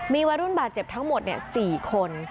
มีวัยรุ่นบาดเจ็บทั้งหมด๔คน